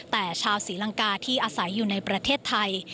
แต่ชาวศรีลังกาที่อาศัยอยู่ในประเทศไทย